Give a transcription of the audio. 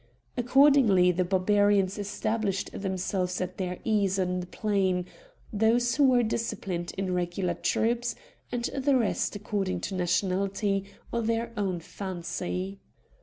Accordingly the Barbarians established themselves at their ease on the plain; those who were disciplined in regular troops, and the rest according to nationality or their own fancy.